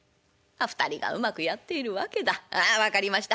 ２人がうまくやっているわけだ。ああ分かりました。